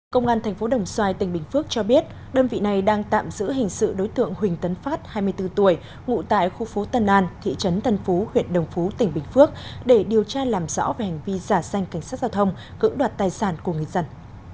công an tp đồng xoài tỉnh bình phước cho biết đơn vị này đang tạm giữ hình sự đối tượng huỳnh tấn phát hai mươi bốn tuổi ngụ tại khu phố tân an thị trấn tân phú huyện đồng phú tỉnh bình phước để điều tra làm rõ về hành vi giả sanh cảnh sát giao thông cưỡng đoạt tài sản của người dân